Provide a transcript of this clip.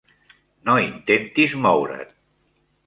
No intentis moure't.